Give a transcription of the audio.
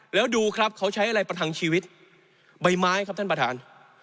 แล้วดูครับเขาใช้อะไรประทังชีวิตใบไม้ครับท่านประธาน